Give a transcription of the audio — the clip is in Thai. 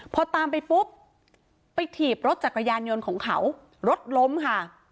พอตามไปปุ๊บไปถีบรถจักรยานยนต์ของเขารถล้มค่ะ